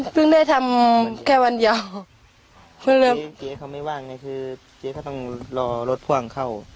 ได้ทำแค่วันเดียวเจ๊เขาไม่ว่างไงคือเจ๊ก็ต้องรอรถพ่วงเข้า